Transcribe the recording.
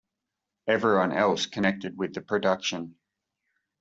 Everyone else connected with the production.